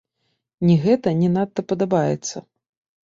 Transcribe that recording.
Не гэта не надта падабаецца.